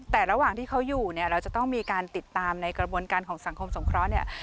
แต่ระหว่างที่เขาอยู่เนี่ยเราจะต้องมีการติดตามในกระบวนการของสังคมสงเคราะห์เนี่ย